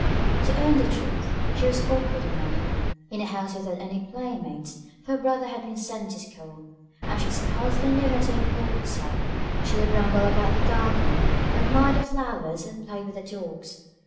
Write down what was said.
To own the truth, she was awkward enough, in a house without any play mates; for her brother had been sent to school, and she scarcely knew how to employ herself; she would ramble about the garden, admire the flowers, and play with the dogs.